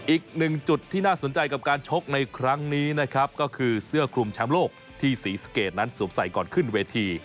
อีกหนึ่งจุดที่น่าสนใจกับการชกในครั้งนี้นะครับก็คือเสื้อคลุมแชมป์โลกที่ศรีสะเกดนั้นสวมใส่ก่อนขึ้นเวที